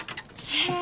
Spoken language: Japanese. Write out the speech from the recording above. へえ。